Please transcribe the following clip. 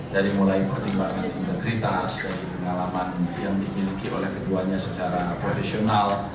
dari mulai pertimbangan integritas dari pengalaman yang dimiliki oleh keduanya secara profesional